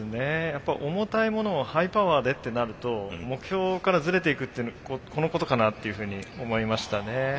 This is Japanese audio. やっぱ重たいものをハイパワーでってなると目標からズレていくっていうのこのことかなっていうふうに思いましたね。